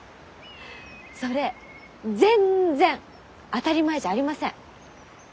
それ全然当たり前じゃありません！